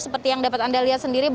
seperti yang dapat anda lihat sendiri